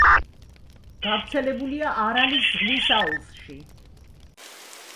გავრცელებულია არალის ზღვის აუზში.